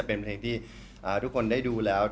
เป็นเพลงที่ทุกคนได้ดูแล้ว